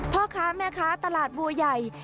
พ่อค้าแม่ค้าตลาดบัวใหญ่